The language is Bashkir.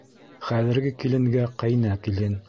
Хәҙерге киленгә ҡәйнә килен.